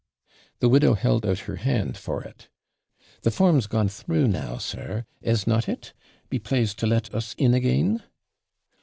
The widow held out her hand for it: 'The form's gone through now, sir, is not it? Be plased to let us in again.'